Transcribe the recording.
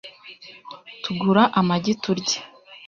Tugura amagi turye